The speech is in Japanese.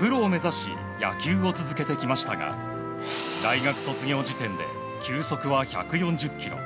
プロを目指し野球を続けてきましたが大学卒業時点で球速は１４０キロ。